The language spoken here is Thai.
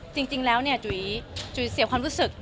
จริงแล้วเนี่ยจุ๋ยจุ๋ยเสียความรู้สึก